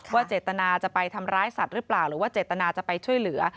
เจตนาจะไปทำร้ายสัตว์หรือเปล่าหรือว่าเจตนาจะไปช่วยเหลือ